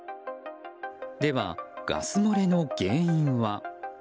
であ、ガス漏れの原因は。